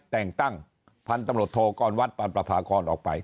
แต่งตั้งผันตำรดโทรของวัฏปรับราพาขอนออกไป